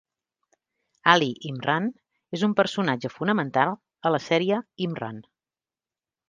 Ali Imran és un personatge fonamental a la sèrie Imran.